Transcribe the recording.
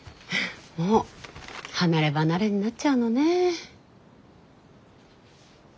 もう離れ離れになっちゃうのね。